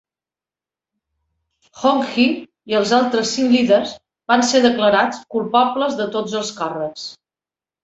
Kong Hee i els altres cinc líders van ser declarats culpables de tots els càrrecs.